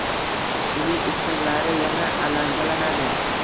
umid uchqunlari yana alangalanadi.